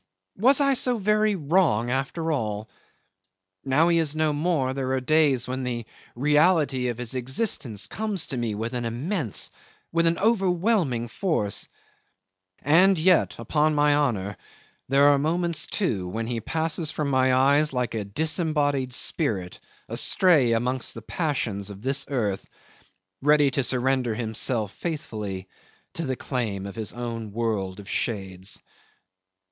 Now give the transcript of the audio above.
Was I so very wrong after all? Now he is no more, there are days when the reality of his existence comes to me with an immense, with an overwhelming force; and yet upon my honour there are moments, too when he passes from my eyes like a disembodied spirit astray amongst the passions of this earth, ready to surrender himself faithfully to the claim of his own world of shades.